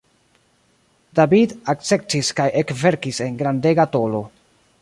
David akceptis kaj ekverkis en grandega tolo.